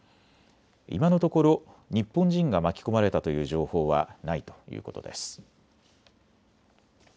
今のところ日本人が巻き込まれたという情報はないということです。